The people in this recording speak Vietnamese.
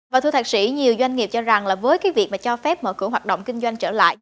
và thưa thạc sĩ nhiều doanh nghiệp cho rằng là với cái việc mà cho phép mở cửa hoạt động kinh doanh trở lại